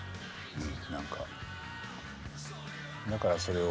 うん。